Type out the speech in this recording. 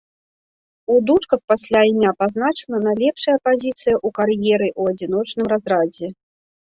У дужках пасля імя пазначана найлепшая пазіцыя ў кар'еры ў адзіночным разрадзе.